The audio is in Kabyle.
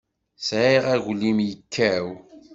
Sɛiɣ aglim yekkaw.